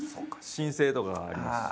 申請とかがありますしね。